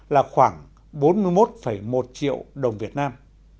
là khoảng bốn mươi một một triệu đồng việt nam